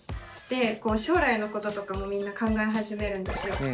で将来のこととかもみんな考え始めるんですよ。